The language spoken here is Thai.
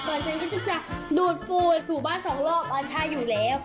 ก่อนฉันก็จะดูดฟูดสู่บ้านสองรอบร้านชายอยู่แล้ว